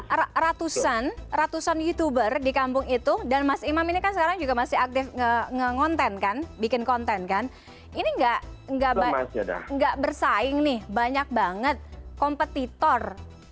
ada ratusan ratusan youtuber di kampung itu dan mas imam ini kan sekarang juga masih aktif nge ngonten kan bikin konten kan ini nggak bersaing nih banyak banget kompetitor